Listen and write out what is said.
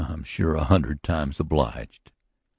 I'm sure a hundred times obliged.